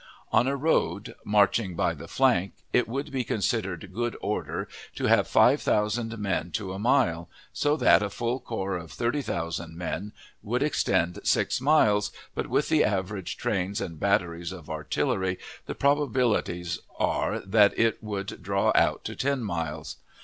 On a road, marching by the flank, it would be considered "good order" to have five thousand men to a mile, so that a full corps of thirty thousand men would extend six miles, but with the average trains and batteries of artillery the probabilities are that it would draw out to ten miles.